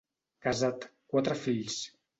Casat, quatre fills.